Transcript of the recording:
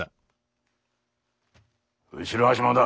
後ろ足もだ。